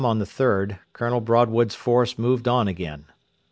M. on the 3rd Colonel Broadwood's force moved on again.